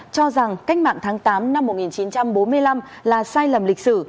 cho rằng cách mạng tháng tám năm một nghìn chín trăm bốn mươi năm là sai lầm lịch sử